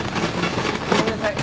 ごめんなさい。